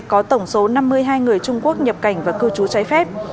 có tổng số năm mươi hai người trung quốc nhập cảnh và cư trú trái phép